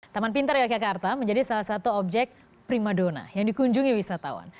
taman pintar yogyakarta menjadi salah satu objek prima dona yang dikunjungi wisatawan